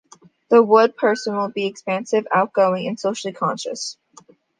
The Wood person will be expansive, outgoing and socially conscious.